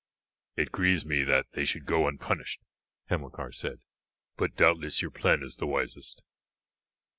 "It grieves me that they should go unpunished," Hamilcar said; "but doubtless your plan is the wisest."